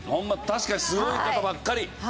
確かにすごい方ばっかり。